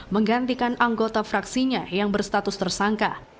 menggantikan anggota fraksinya yang berstatus tersangka